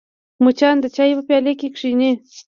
مچان د چای په پیاله کښېني